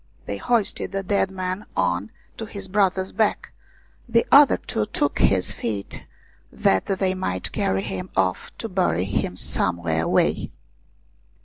They hoisted the dead man on to his brother's back, the other two took his feet that they might carry him off to bury him some where away.